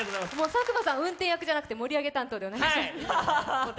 佐久間さん、運転役じゃなくて盛り上げ担当でお願いします。